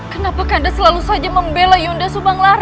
kenapa ganda selalu saja membela yunda sebanglar